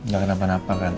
gak kena apa apa kan